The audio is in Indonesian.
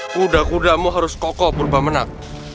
kuda kudamu harus kokoh purba menang